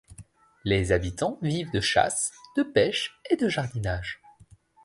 Les habitants vivent de chasse, de pêche et de jardinage.